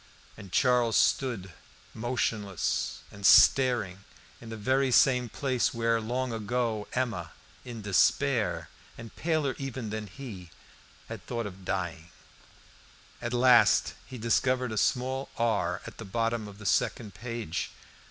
And Charles stood, motionless and staring, in the very same place where, long ago, Emma, in despair, and paler even than he, had thought of dying. At last he discovered a small R at the bottom of the second page.